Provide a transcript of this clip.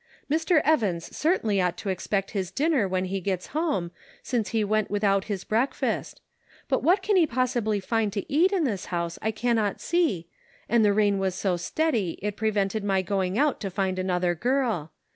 Mr. Evans cer tainly ought to expect his dinner when he gets home, since he went without his breakfast ; but what he can possibly find to eat in this house I cannot see, and the rain was so steady it prevented my going out to find another girl.